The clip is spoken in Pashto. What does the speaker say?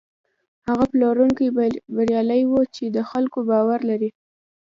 هغه پلورونکی بریالی وي چې د خلکو باور لري.